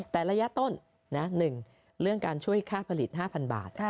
แต่ระยะต้น๑เรื่องการช่วยค่าผลิต๕๐๐บาท